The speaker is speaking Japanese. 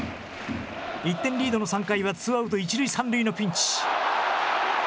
１点リードの３回はツーアウト一塁三塁のピンチ。